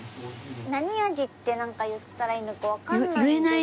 何味って言ったらいいのかわかんない。